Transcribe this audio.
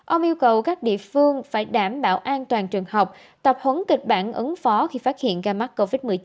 ông yêu cầu các địa phương phải đảm bảo an toàn trường học tập huấn kịch bản ứng phó khi phát hiện ca mắc covid một mươi chín